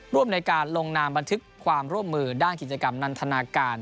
ร่วมในการลงนามบันทึกความร่วมมือด้านกิจกรรมนันทนาการ